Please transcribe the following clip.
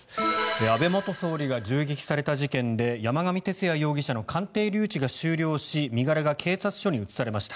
安倍元総理が銃撃された事件で山上徹也容疑者の鑑定留置が終了し身柄が警察署に移されました。